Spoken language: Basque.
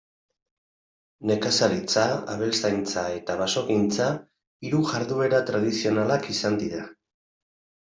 Nekazaritza, abeltzaintza eta basogintza hiru jarduera tradizionalak izan dira.